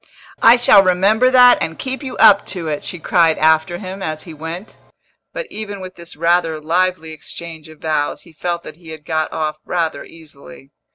"I shall remember that and keep you up to it!" she cried after him, as he went. But even with this rather lively exchange of vows he felt that he had got off rather easily.